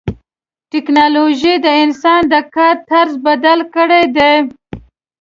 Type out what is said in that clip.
ټکنالوجي د انسان د کار طرز بدل کړی دی.